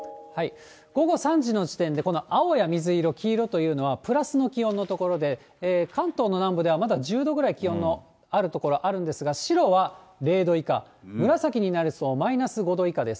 午後３時の時点でこの青や水色、黄色というのは、プラスの気温の所で、関東の南部ではまだ１０度ぐらい、気温のある所あるんですが、白は０度以下、紫になると、マイナス５度以下です。